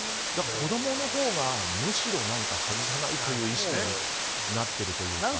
子供のほうがむしろ外さないという意識になっているというか。